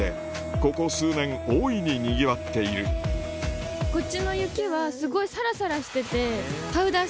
ここ数年大いににぎわっているあっ。